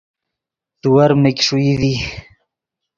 تیور میگ ݰوئی ڤی